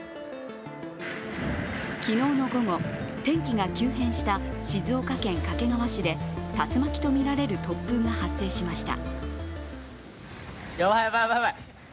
昨日の午後、天気が急変した静岡県掛川市で竜巻とみられる突風が発生しました。